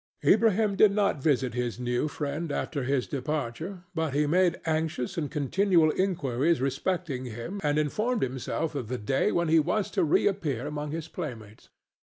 Ilbrahim did not visit his new friend after his departure, but he made anxious and continual inquiries respecting him and informed himself of the day when he was to reappear among his playmates.